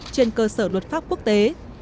trên cơ sở luật pháp quốc tế